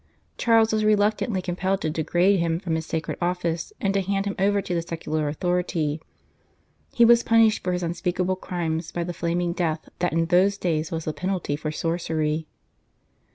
Charles was reluctantly compelled to degrade him from his sacred office, and to hand him over to the secular authority. He was punished for his unspeakable crimes by the flaming death that in those days was the penalty for sorcery.